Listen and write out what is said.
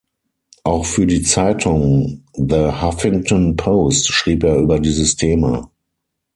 Auch für die Zeitung The Huffington Post schrieb er über dieses Thema.